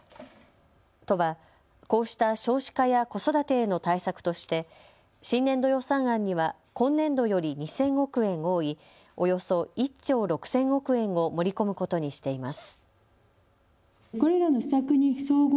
都は、こうした少子化や子育てへの対策として新年度予算案には今年度より２０００億円多いおよそ１兆６０００億円を盛り込むことにしています。